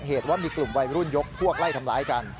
เหตุว่ามีกลุ่มวัยรุ่นยกพวกไล่ทำร้ายกัน